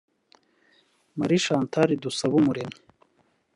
Marie Chantal Dusabumuremyi